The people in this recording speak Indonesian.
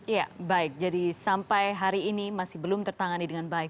ya baik jadi sampai hari ini masih belum tertangani dengan baik